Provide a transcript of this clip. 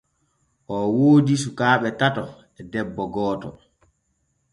Oo woodi sukaaɓe tato e debbo gooto.